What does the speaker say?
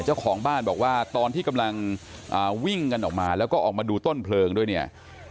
เจ้าของบ้านบอกว่าตอนที่กำลังวิ่งกันออกมาแล้วก็ออกมาดูต้นเพลิงด้วยเนี่ย